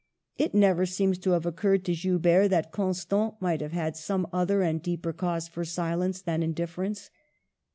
It never seems to have oc curred to Joubert that Constant might have had some other and deeper cause for silence than indifference.